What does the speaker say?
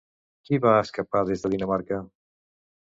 Qui va escapar des de Dinamarca?